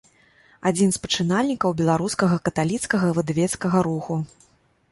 Адзін з пачынальнікаў беларускага каталіцкага выдавецкага руху.